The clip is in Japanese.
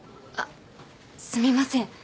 あっすみません。